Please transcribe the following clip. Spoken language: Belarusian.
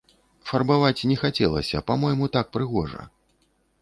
Фарбаваць не хацелася, па-мойму, так прыгожа.